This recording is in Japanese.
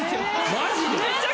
マジで？